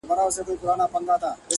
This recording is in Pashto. • د همدې له برکته موږ ولیان یو ,